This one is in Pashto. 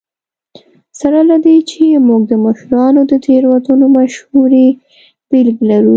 سره له دې چې موږ د مشرانو د تېروتنو مشهورې بېلګې لرو.